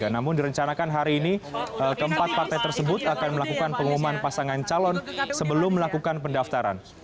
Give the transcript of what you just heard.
namun direncanakan hari ini keempat partai tersebut akan melakukan pengumuman pasangan calon sebelum melakukan pendaftaran